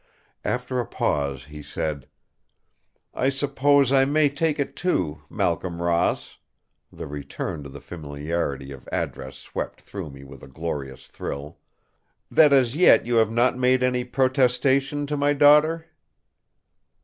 After a pause he said: "I suppose I may take it, too, Malcolm Ross"—the return to the familiarity of address swept through me with a glorious thrill—"that as yet you have not made any protestation to my daughter?"